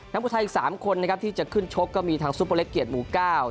ผู้ชายอีกสามคนนะครับที่จะขึ้นชกก็มีทางซุปเปอร์เล็กเกียรติหมู่เก้า